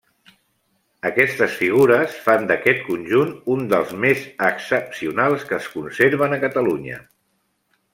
Aquestes figures fan d’aquest conjunt un dels més excepcionals que es conserven a Catalunya.